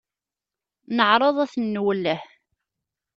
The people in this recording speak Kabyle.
Neɛreḍ ad ten-nwelleh.